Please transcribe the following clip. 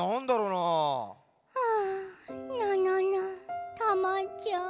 あぁなななタマちゃん。